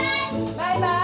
バイバーイ